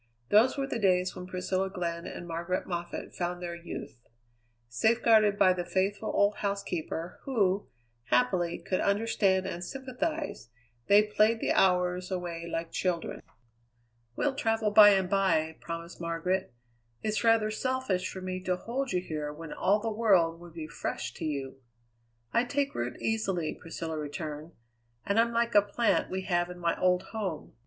Those were the days when Priscilla Glenn and Margaret Moffatt found their youth. Safeguarded by the faithful old housekeeper, who, happily, could understand and sympathize, they played the hours away like children. "We'll travel by and by," promised Margaret. "It's rather selfish for me to hold you here when all the world would be fresh to you." "I take root easily," Priscilla returned, "and I'm like a plant we have in my old home.